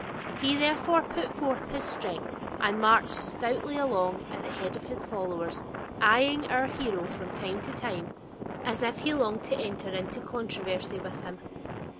He therefore put forth his strength, and marched stoutly along at the head of his followers, eyeing our hero from time to time, as if he longed to enter into controversy with him.